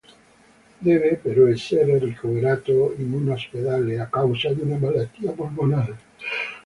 Deve però essere ricoverato in un ospedale a causa di una malattia polmonare.